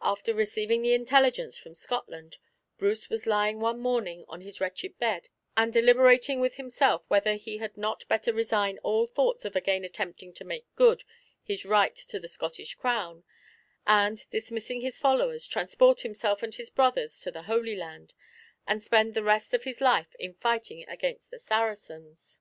After receiving the intelligence from Scotland, Bruce was lying one morning on his wretched bed, and deliberating with himself whether he had not better resign all thoughts of again attempting to make good his right to the Scottish crown, and, dismissing his followers, transport himself and his brothers to the Holy Land, and spend the rest of his life in fighting against the Saracens.